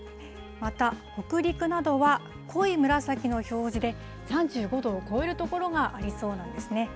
また、北陸などは濃い紫の表示で、３５度を超える所がありそうなんですね。